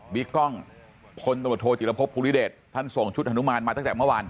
กล้องพลตำรวจโทจิรพบภูริเดชท่านส่งชุดฮานุมานมาตั้งแต่เมื่อวาน